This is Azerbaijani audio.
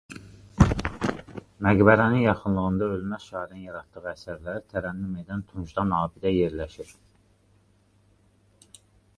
Məqbərənin yaxınlığında ölməz şairin yaratdığı əsərləri tərənnüm edən tuncdan abidə yerləşir.